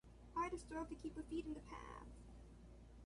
Ida strove to keep her feet in the path.